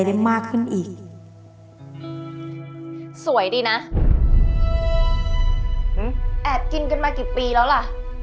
ได้มากขึ้นอีกสวยดีนะแอบกินกันมากี่ปีแล้วล่ะ